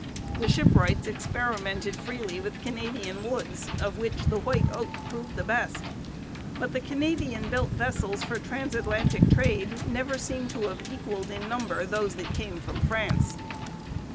The shipwrights experimented freely with Canadian woods, of which the white oak proved the best. But the Canadian built vessels for transatlantic trade never seem to have equalled in number those that came from France.